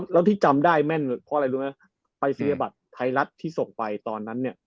แล้วที่จำได้แม่นเพราะอะไรรู้ไหมปรายศนียบัตรไทยรัฐที่ส่งไปตอนนั้นเนี่ย